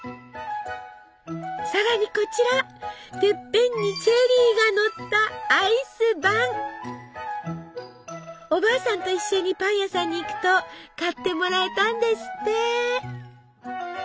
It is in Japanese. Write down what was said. さらにこちらてっぺんにチェリーがのったおばあさんと一緒にパン屋さんに行くと買ってもらえたんですって！